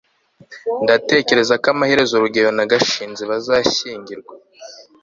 ndatekereza ko amaherezo rugeyo na gashinzi bazashyingirwa